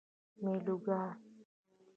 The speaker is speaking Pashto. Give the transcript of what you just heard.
میلوگان